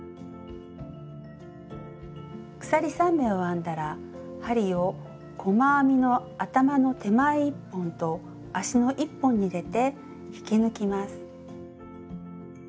鎖３目を編んだら針を細編みの頭の手前１本と足の１本に入れて引き抜きます。